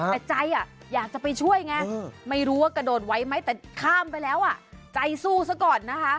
แต่ใจอยากจะไปช่วยไงไม่รู้ว่ากระโดดไว้ไหมแต่ข้ามไปแล้วใจสู้ซะก่อนนะคะ